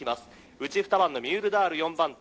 「内２番のミュールダール４番手。